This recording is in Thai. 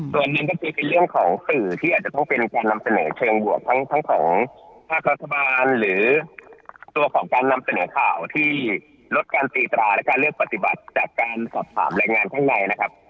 ส่วนหนึ่งก็คือเป็นเรื่องของสื่อที่อาจจะต้องเป็นการนำเสนอเชิงบวกทั้งของภาครัฐบาลหรือตัวของการนำเสนอข่าวที่ลดการตีตราและการเลือกปฏิบัติจากการสอบถามแรงงานข้างในนะครับ